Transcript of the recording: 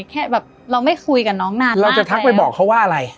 แค่แบบเราไม่คุยกับน้องนานเราจะทักไปบอกเขาว่าอะไร